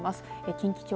近畿地方